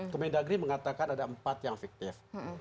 kementerian negeri mengatakan ada empat yang fiktif